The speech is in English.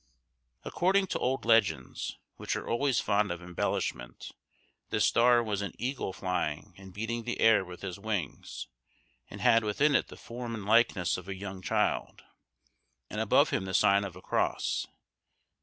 According to old legends, which are always fond of embellishment, this star was an eagle flying and beating the air with his wings, and had within it the form and likeness of a young child, and above him the sign of a cross.